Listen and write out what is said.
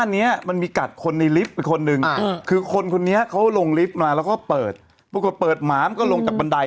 นี่ยังเดินอยู่แล้วหมาดูตัวล่ำไง